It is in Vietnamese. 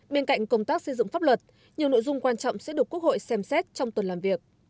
bên cạnh công tác xây dựng pháp luật nhiều nội dung quan trọng sẽ được quốc hội xem xét trong tuần làm việc